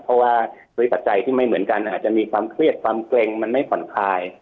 เพราะว่าด้วยปัจจัยที่ไม่เหมือนกันอาจจะมีความเครียดความเกร็งมันไม่ผ่อนคลาย